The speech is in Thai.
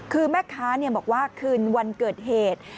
คือแม่ค้าบอกว่าคืนวันเกิดเหตุ